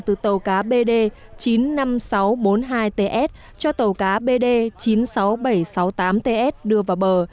từ tàu cá bd chín mươi năm nghìn sáu trăm bốn mươi hai ts cho tàu cá bd chín mươi sáu nghìn bảy trăm sáu mươi tám ts đưa vào bờ